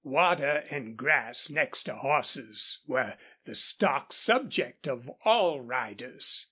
Water and grass, next to horses, were the stock subject of all riders.